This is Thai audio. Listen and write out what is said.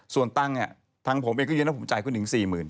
ส่วนตั้งอ่ะทั้งผมเองก็เยอะนะคนจ่ายคุณหญิง๔๐๐๐๐